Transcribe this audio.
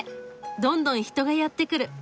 どんどん人がやって来る。